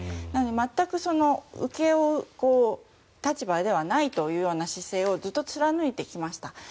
なので全く請け負う立場ではないというような姿勢をずっと貫いてきました。